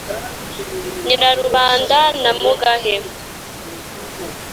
nyirarubanda na mugahe.